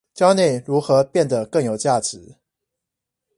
教你如何變得更有價值